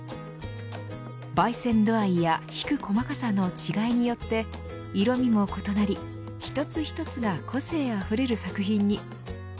焙煎度合いやひく細かさの違いによって色味も異なり一つ一つが個性あふれる作品に。